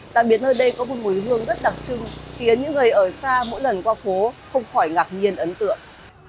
đặc biệt nơi đây có một mùi hương rất đặc trưng khiến những người ở xa mỗi lần qua phố không khỏi ngạc nhiên ấn tượng